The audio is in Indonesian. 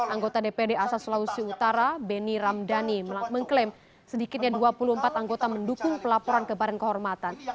anggota dpd asal sulawesi utara beni ramdhani mengklaim sedikitnya dua puluh empat anggota mendukung pelaporan ke badan kehormatan